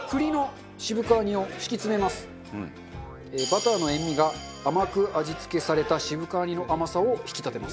バターの塩味が甘く味付けされた渋皮煮の甘さを引き立てます。